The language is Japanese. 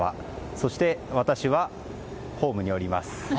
そして私はホームにおります。